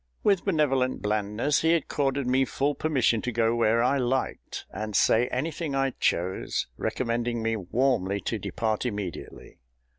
With benevolent blandness he accorded me full permission to go where I liked, and say anything I chose, recommending me warmly to depart immediately.